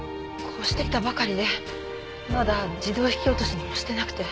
越してきたばかりでまだ自動引き落としにもしてなくて。